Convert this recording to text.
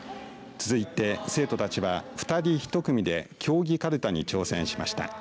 続いて、生徒たちは２人１組で競技かるたに挑戦しました。